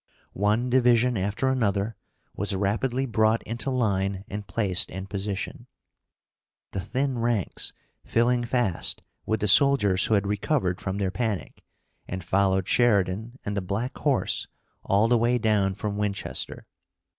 One division after another was rapidly brought into line and placed in position, the thin ranks filling fast with the soldiers who had recovered from their panic, and followed Sheridan and the black horse all the way down from Winchester.